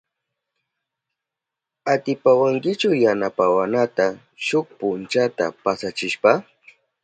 ¿Atipawankichu yanapawanata shuk punchata pasachishpa?